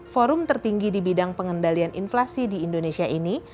forum tertinggi di bidang pengendalian inflasi di indonesia ini